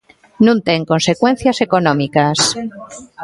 Non ten consecuencias económicas.